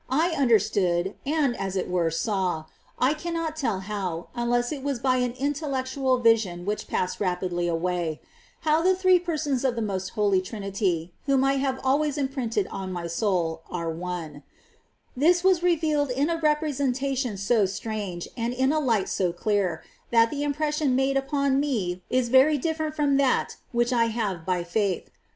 ^^^^ unless it was by an intellectual vision which passed rapidly away, — how the Three Persons of the most Holy Trinity, whom I have always imprinted in my soul, are One. This was revealed in a representation so strange, and in a light so clear, that the impression made upon me was very different from that which I have by faith.